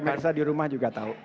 yang yang bisa di rumah juga tahu